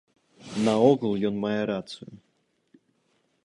Наогул ён мае рацыю.